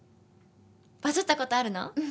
バズった事あるの？